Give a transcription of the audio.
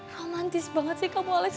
romantis banget sih kamu alex